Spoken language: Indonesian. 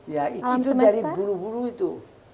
ya itu dari bulu bulu itu